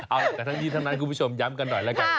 เอาแต่ทั้งนี้ทั้งนั้นคุณผู้ชมย้ำกันหน่อยแล้วกัน